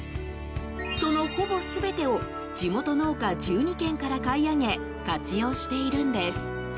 そのほぼ全てを地元農家１２軒から買い上げ活用しているんです。